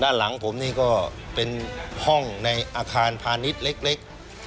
ด้านหลังผมนี่ก็เป็นห้องในอาคารพาณิชย์เล็ก